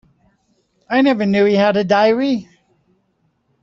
I never knew he had a diary.